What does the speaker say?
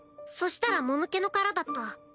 そしたらもぬけの殻だった？